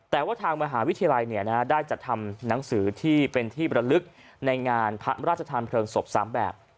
แต่ว่าทางมหาวิทยาลัยได้จัดทำหนังสือที่เป็นที่ประลึกในงานพระราชทานเพลิงศพ๓แบบ